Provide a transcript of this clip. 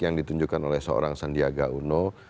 yang ditunjukkan oleh seorang sandiaga uno